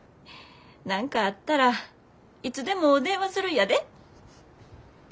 何かあったらいつでも電話するんやで。